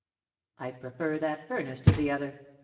I prefer that furnace to the other.